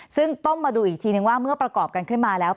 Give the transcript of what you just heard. ซึ่งต้องมาดูอีกทีนึงว่าเมื่อประกอบกันขึ้นมาแล้ว